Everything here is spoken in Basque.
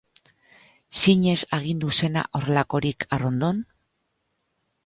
Zinez agitu zena horrelakorik Harrondon?